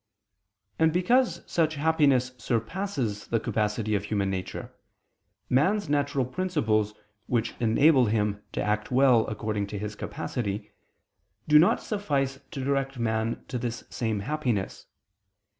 And because such happiness surpasses the capacity of human nature, man's natural principles which enable him to act well according to his capacity, do not suffice to direct man to this same happiness.